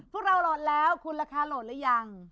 พวกเราโหลดแล้วคุณราคาโหลดหรือยัง